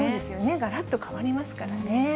がらっと変わりますからね。